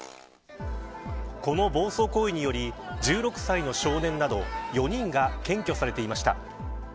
この暴走行為により１６歳の少年など４人が検挙されていました。